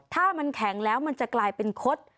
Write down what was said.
ถ้ามันแข็งแล้วมันจะกลายเป็นคด